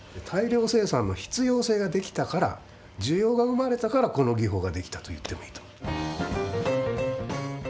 大量生産の必要性ができたから需要が生まれたからこの技法ができたといってもいいと思う。